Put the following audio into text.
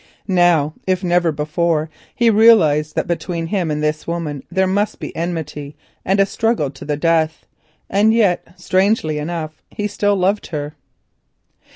Now, if never before, he realised that between him and this woman there must be enmity and a struggle to the death; and yet strangely enough he still loved her!